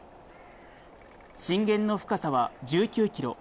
震源の深さは１９キロ。